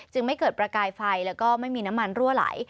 ไม่เกิดประกายไฟแล้วก็ไม่มีน้ำมันรั่วไหล